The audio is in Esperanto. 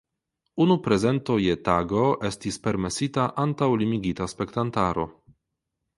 Unu prezento je tago estis permesita antaŭ limigita spektantaro.